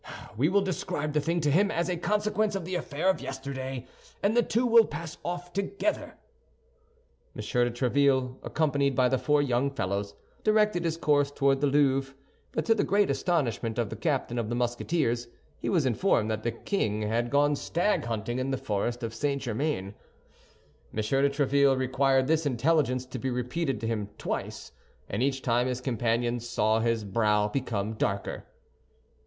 We will describe the thing to him as a consequence of the affair of yesterday, and the two will pass off together." M. de Tréville, accompanied by the four young fellows, directed his course toward the Louvre; but to the great astonishment of the captain of the Musketeers, he was informed that the king had gone stag hunting in the forest of St. Germain. M. de Tréville required this intelligence to be repeated to him twice, and each time his companions saw his brow become darker.